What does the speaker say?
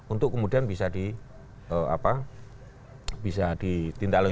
untuk kemudian bisa ditindaklukan